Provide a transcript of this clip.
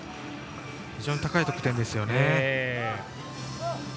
非常に高い得点ですよね。